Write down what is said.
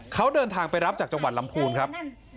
เขาเดินทางไปรับจากจังหวัดลำพูนครับ